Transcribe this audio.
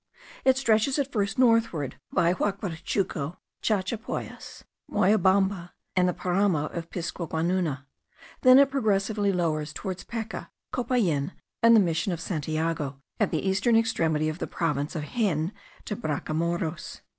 It stretches at first northward by Huacrachuco, Chachapoyas, Moyobamba, and the Paramo of Piscoguannuna; then it progressively lowers toward Peca, Copallin, and the Mission of Santiago, at the eastern extremity of the province of Jaen de Bracamoros.